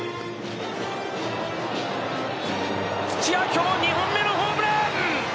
今日、２本目のホームラン！